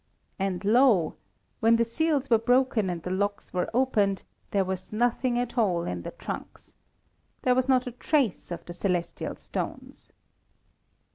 And lo! when the seals were broken and the locks were opened, there was nothing at all in the trunks. There was not a trace of the celestial stones.